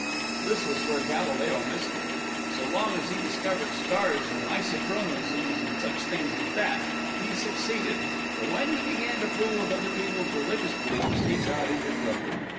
This was where Galileo missed it. So long as he discovered stars and isochronisms and such things as that, he succeeded, but when he began to fool with other people's religious beliefs he got into trouble.